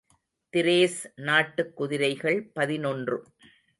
திரேஸ் நாட்டுக் குதிரைகள் பதினொன்று .